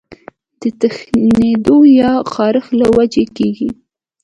د تښنېدو يا خارښ له وجې کيږي